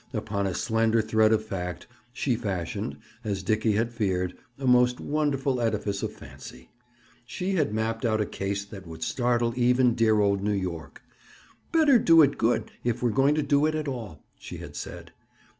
Upon a slender thread of fact she fashioned, as Dickie had feared, a most wonderful edifice of fancy. She had mapped out a case that would startle even dear old New York. "Better do it good, if we're going to do it at all," she had said.